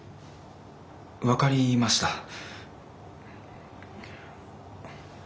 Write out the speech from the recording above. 分かりました。